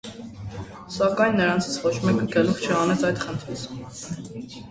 Սակայն նրանցից ոչ մեկը գլուխ չհանեց այդ խնդրից։